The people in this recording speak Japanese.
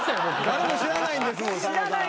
誰も知らないんですもんさんまさん。